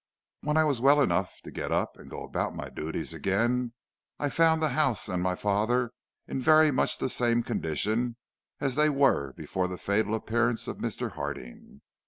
When I was well enough to get up and go about my duties again, I found the house and my father in very much the same condition as they were before the fatal appearance of Mr. Harding.